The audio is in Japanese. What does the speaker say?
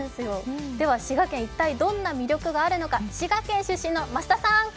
滋賀県、一体どんな魅力があるのか滋賀県出身の増田さん！